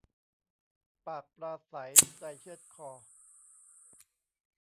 ปากปราศรัยใจเชือดคอ